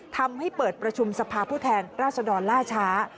ทำให้เปิดประชุมสภาพูดแทนราชดรรชา